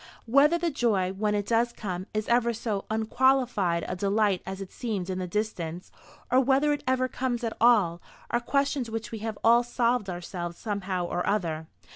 Whether the joy, when it does come, is ever so unqualified a delight as it seemed in the distance, or whether it ever comes at all, are questions which we have all solved for ourselves somehow or other.